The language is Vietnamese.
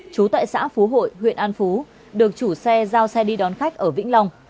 trú tại xã phú hội huyện an phú được chủ xe giao xe đi đón khách ở vĩnh long